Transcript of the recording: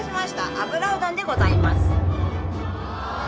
油うどんでございます。